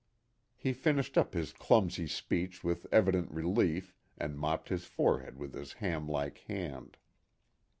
He finished up his clumsy speech with evident relief, and mopped his forehead with his ham like hand.